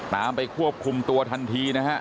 ไปควบคุมตัวทันทีนะฮะ